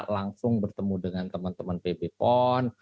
langsung bertemu dengan teman teman pb pon